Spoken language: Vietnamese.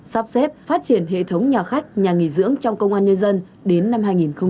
sắp xếp phát triển hệ thống nhà khách nhà nghỉ dưỡng trong công an nhân dân đến năm hai nghìn hai mươi